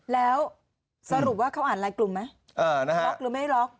แล้วสรุปว่าเขาอ่านไลน์กลุ่มไหมล็อกหรือไม่ล็อก